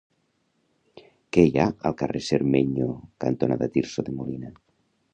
Què hi ha al carrer Cermeño cantonada Tirso de Molina?